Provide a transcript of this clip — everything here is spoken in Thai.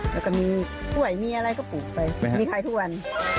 แล้วก็มีกล้วยมีอะไรก็ปลูกไปมีขายทุกวัน